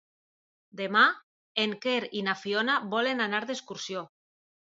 Demà en Quer i na Fiona volen anar d'excursió.